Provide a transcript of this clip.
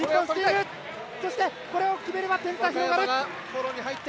そして、これを決めれば点差広がる。